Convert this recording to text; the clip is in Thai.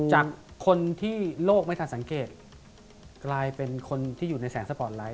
จากคนที่โลกไม่ทันสังเกตกลายเป็นคนที่อยู่ในแสงสปอร์ตไลท